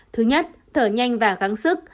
thứ nhất thở nhanh và gắng sức